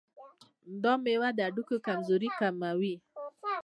دا مېوه د هډوکو کمزوري کموي.